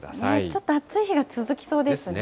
ちょっと暑い日が続きそうですね。